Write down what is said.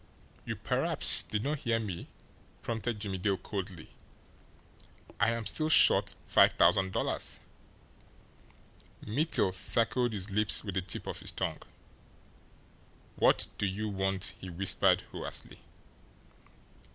"You perhaps did not hear me?" prompted Jimmie Dale coldly. "I am still short five thousand dollars." Mittel circled his lips with the tip of his tongue. "What do you want?" he whispered hoarsely.